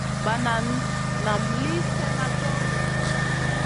Banan naam lì slèh ma john ɗi.